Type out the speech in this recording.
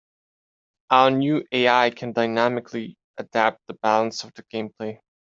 Our new AI can dynamically adapt the balance of the gameplay.